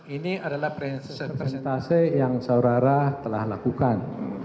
ini adalah representase yang saudara telah lakukan